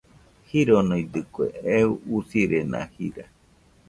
Jironidɨkue, eo usirena jira.